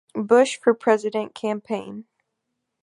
Bush for President campaign.